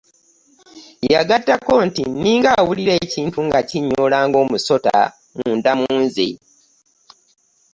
Yagatako nti: "ninga awulira ekintu nga kyenyola ng'omusota munda munze.”